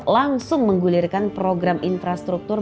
langsung menggulirkan program infrastruktur